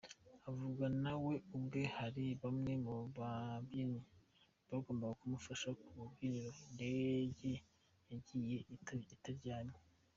avuga nawe ubwe hari bamwe mu babyinyi bagombaga kumufasha ku rubyiniro indege yagiye itajyanye.